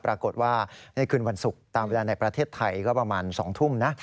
ปรากฏว่าในคืนวันศุกร์ตามเวลาในประเทศไทยก็ประมาณ๒ทุ่มนะ